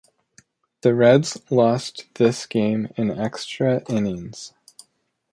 The Reds lost this game in extra innings.